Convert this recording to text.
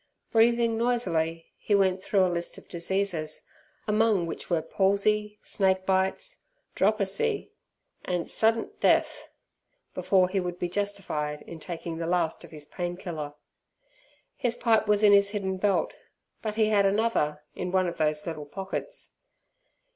Breathing noisily, he went through a list of diseases, among which were palsy, snake bite, "dropersy", and "suddint death", before he would be justified in taking the last of his pain killer. His pipe was in his hidden belt, but he had another in one of those little pockets.